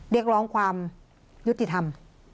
เรียกร้องความยุติธรรม